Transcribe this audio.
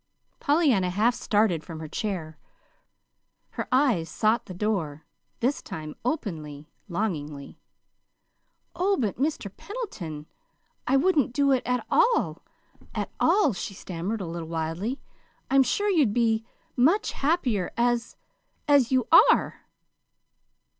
Pollyanna half started from her chair. Her eyes sought the door, this time openly, longingly. "Oh, but, Mr. Pendleton, I wouldn't do it at all, at all," she stammered, a little wildly. "I'm sure you'd be much happier as as you are."